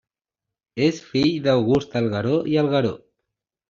És fill d'August Algueró i Algueró.